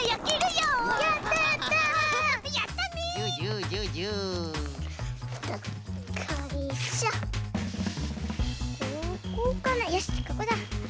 よしここだ！